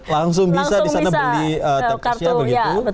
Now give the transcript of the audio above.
langsung bisa disana beli teksnya begitu